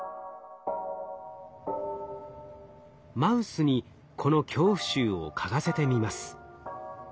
マウスにこの恐怖臭を嗅がせてみます。